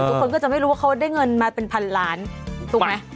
ทุกคนก็จะไม่รู้ว่าเขาได้เงินมาเป็นพันล้านถูกไหม